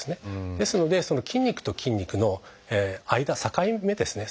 ですのでその筋肉と筋肉の間境目ですね